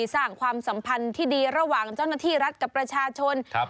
ความสัมพันธ์ที่ดีระหว่างเจ้าหน้าที่รัฐกับประชาชนครับ